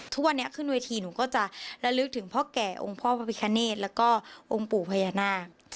ทุกวันนี้ขึ้นเวทีหนูก็จะระลึกถึงพ่อแก่องค์พ่อพระพิคเนธแล้วก็องค์ปู่พญานาค